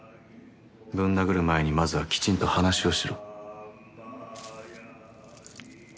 ぶん殴る前にまずはきちんと話をしろ。